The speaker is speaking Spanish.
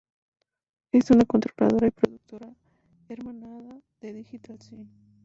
Es una controladora y productora-hermanada de Digital Sin.